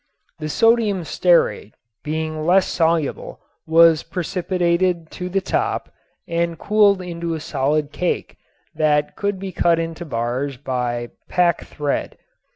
The sodium stearate being less soluble was precipitated to the top and cooled into a solid cake that could be cut into bars by pack thread.